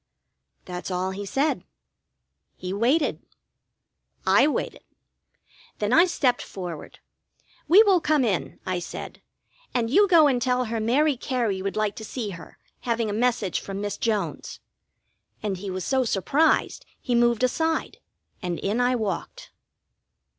That's all he said. He waited. I waited. Then I stepped forward. "We will come in," I said. "And you go and tell her Mary Cary would like to see her, having a message from Miss Jones." And he was so surprised he moved aside, and in I walked.